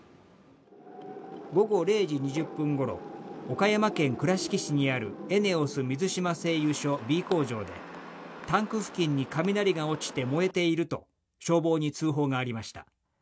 午後０時２０分ごろ、岡山県倉敷市にあるエネオス水島製油所Ｂ工場で、タンク付近に雷が落ちて燃えていると消防に通報がありました。